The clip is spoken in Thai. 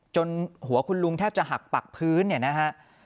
จนหัวคุณลุงแทบจะหักปักพื้นเนี่ยนะฮะ